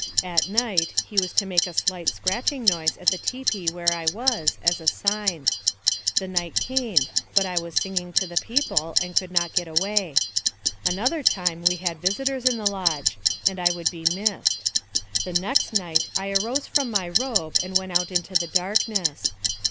At night he was to make a slight scratching noise at the tipi where I was, as a sign. The night came, but I was singing to the people, and could not get away. Another time we had visitors in the lodge, and I would be missed. The 134 NARRATIVE OF CAPTIVITY next night I arose from my robe, and went out into the darkness.